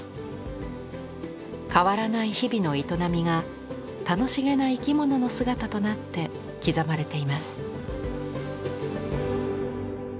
変わらない日々の営みが楽しげな生き物の姿となって刻まれています。